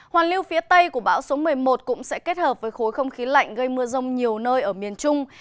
hoàn lưu phía tây của bão số một mươi một cũng sẽ kết hợp với khối không khí lạnh gây mưa rông nhiều nơi ở miền trung